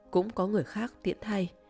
cũng có người khác tiễn thay